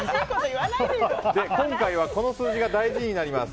今回はこの数字が大事になります。